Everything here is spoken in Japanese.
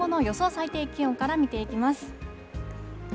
最低気温から見ていきます。